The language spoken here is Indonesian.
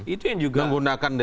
itu yang juga